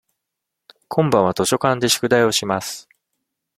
今晩は図書館で宿題をします。